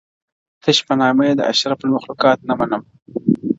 تش په نامه یې د اشرف المخلوقات نه منم,